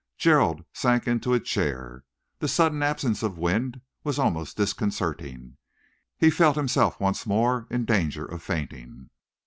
Gerald sank into a chair. The sudden absence of wind was almost disconcerting. He felt himself once more in danger of fainting.